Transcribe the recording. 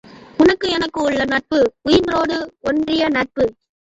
உனக்கும் எனக்கும் உள்ள நட்பு உயிரோடு ஒன்றிய நட்பு.